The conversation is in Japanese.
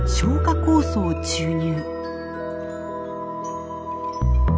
酵素を注入。